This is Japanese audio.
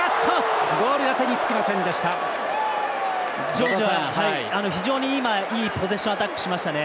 ジョージア、非常にいいポゼッションアタックしましたね。